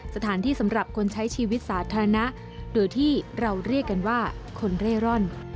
สำหรับคนใช้ชีวิตสาธารณะโดยที่เราเรียกกันว่าคนเร่ร่อน